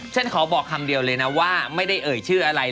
ฉันขอบอกคำเดียวเลยนะว่าไม่ได้เอ่ยชื่ออะไร